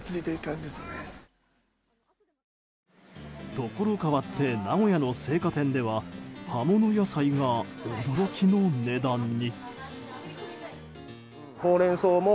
ところ変わって名古屋の青果店では葉物野菜が驚きの値段に。